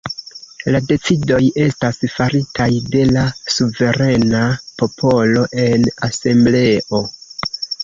La decidoj estas faritaj de la suverena popolo en asembleo.